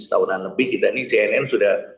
setahunan lebih kita ini cnn sudah